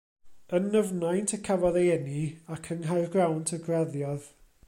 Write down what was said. Yn Nyfnaint y cafodd ei eni, ac yng Nghaergrawnt y graddiodd.